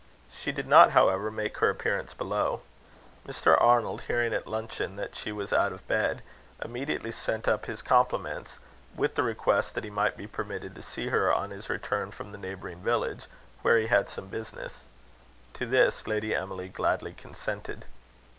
She did not, however, make her appearance below. Mr. Arnold, hearing at luncheon that she was out of bed, immediately sent up his compliments, with the request that he might be permitted to see her on his return from the neighbouring village, where he had some business. To this Lady Emily gladly consented.